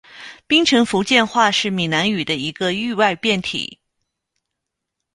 槟城福建话是闽南语的一个域外变体。